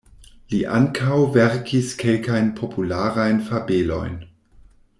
Li ankaŭ verkis kelkajn popularajn fabelojn.